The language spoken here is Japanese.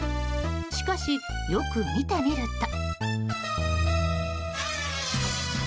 しかし、よく見てみると。